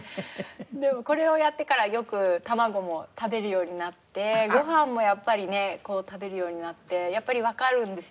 でもこれをやってからよく卵も食べるようになってご飯もやっぱりね食べるようになってやっぱりわかるんですよね。